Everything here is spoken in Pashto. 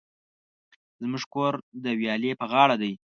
زموژ کور د ویالی په غاړه دی